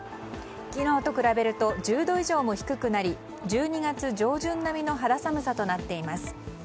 昨日と比べると１０度以上も低くなり１２月上旬並みの肌寒さとなっています。